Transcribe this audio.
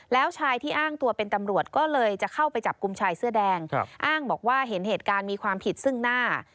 แล้วชายที่อ้างตัวเป็นตำรวจก็เลยจะเข้าไปจับกลุ่มชายเสื้อแดงอ้างบอกว่าเห็นเหตุการณ์มีความผิดซึ่งหน้า